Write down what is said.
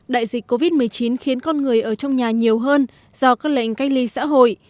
đại dịch covid một mươi chín khiến con người ở trong nhà nhiều hơn do các lệnh cách ly xã hội